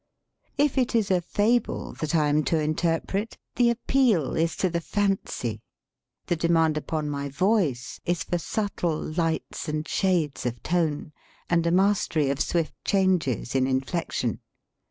If it is a fable that I am to interpret, the appeal is to the fancy; the demand upon my voice is for subtle lights and shades of tone and a mastery of swift changes in inflection.